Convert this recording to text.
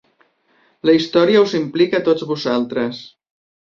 La història us implica a tots vosaltres.